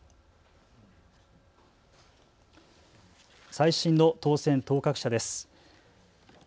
最新の当選当確者です。